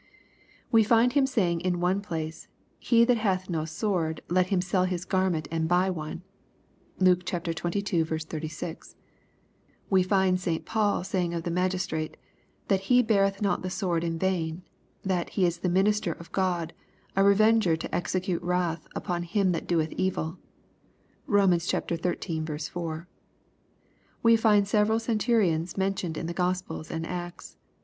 We find Him saying in one place, " He that hath no sword let him sell his garment and buy one." Luke xxii. 36. We find St. Paul saying of the magistrate, that " he beareth not the sword in vain," that " he is the minister of God, a revenger to execute wrath upon him that doeth evil." Bom. xiii. 4'. We find several centurions mentioned in the Gospels and Acts.